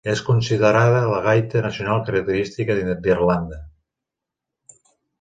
És considerada la gaita nacional característica d'Irlanda.